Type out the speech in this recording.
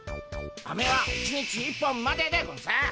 アメは一日一本まででゴンス。